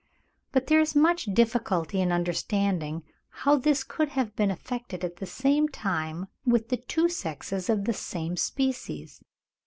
But there is much difficulty in understanding how this could have been effected at the same time with the two sexes of the same species.